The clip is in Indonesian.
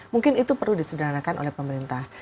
mungkin itu perlu disederhanakan oleh pemerintah